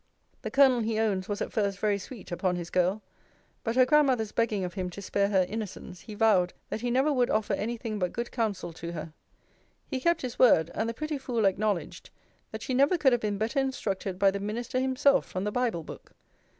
The colonel he owns was at first very sweet upon his girl: but her grandmother's begging of him to spare her innocence, he vowed, that he never would offer any thing but good counsel to her. He kept his word; and the pretty fool acknowledged, that she never could have been better instructed by the minister himself from the bible book!